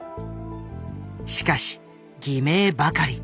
しかし偽名ばかり。